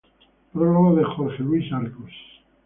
Prólogo de Jorge Luis Arcos.